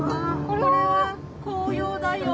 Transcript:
これは紅葉だよ。